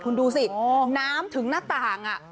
คุณดูสิน้ำถึงหน้าต่าง